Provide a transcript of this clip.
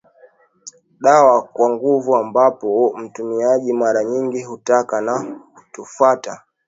dawa kwa nguvu ambapo mtumiaji mara nyingi hutaka na hutafuta